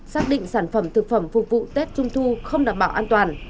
xác định sản phẩm thực phẩm phục vụ tiết chung thu không đảm bảo an toàn